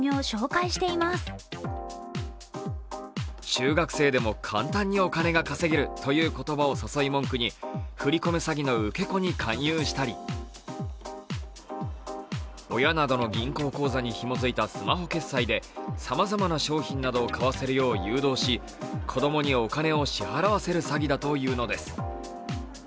中学生でも簡単にお金が稼げるという言葉を誘い文句に振り込め詐欺の受け子に勧誘したり親などの銀行口座に基づいたスマホ決済でさまざまな商品などを買わせるよう誘導し、子供にお金を支払わせる詐欺だというのです。